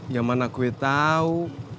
ya mana gue tau